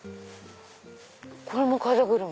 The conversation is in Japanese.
これも風車。